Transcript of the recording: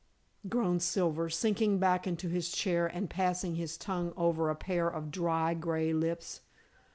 groaned Silver, sinking back into his chair and passing his tongue over a pair of dry, gray lips.